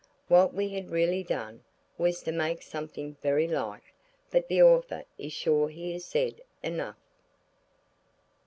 What we had really done was to make something very like–but the author is sure he has said enough.